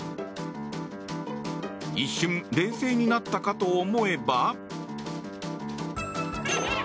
一瞬冷静になったかと思えば。